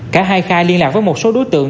cả hai khai liên lạc với một số đối tượng